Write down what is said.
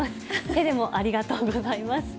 手でも、ありがとうございます。